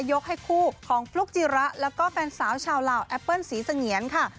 ยกให้คู่ของฟลุ๊กจิระแล้วก็แฟนสาวชาวลาวแอปเปิ้ลสีเสงียนค่ะ